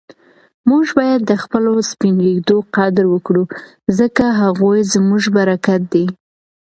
موږ باید د خپلو سپین ږیرو قدر وکړو ځکه هغوی زموږ برکت دی.